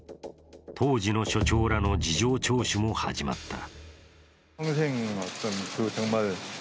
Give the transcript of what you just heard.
当時の署長らの事情聴取も始まった。